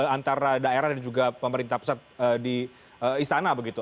antara daerah dan juga pemerintah pusat di istana begitu